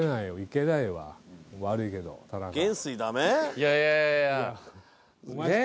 いやいやいやいや。